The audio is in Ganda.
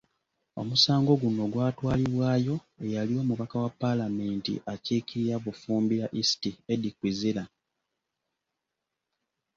Omusango guno gwatwalibwayo eyali omubaka wa palamenti akiikirira Bufumbira East Eddie Kwizera.